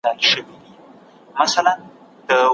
کندهاریان د نورو افغانانو سره خپلې اړیکي څنګه ساتي؟